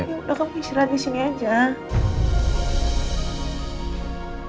udah kami istirahat disini aja